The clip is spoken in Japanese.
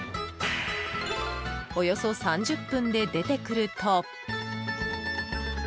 およそ３０分で出てくると。